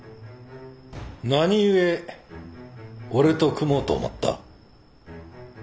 何故俺と組もうと思った？